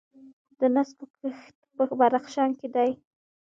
د نسکو کښت په بدخشان کې دی.